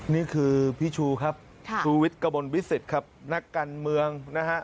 นี่คือพี่ชูครับชูวิทย์กระมวลวิสิตครับนักการเมืองนะฮะ